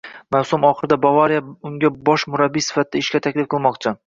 Mavsum oxirida "Bavariya" unga bosh murabbiy sifatida ishga taklif qilmoqchi